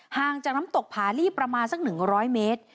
ห่างจากน้ำตกผาลี่ประมาณสักหนึ่งร้อยเมตร